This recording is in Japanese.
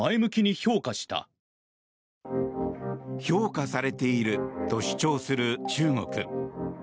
評価されていると主張する中国。